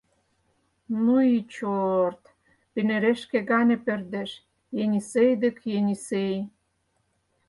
Ну и чё-о-орт, пинерешке гане пӧрдеш, Енисей дык Енисей!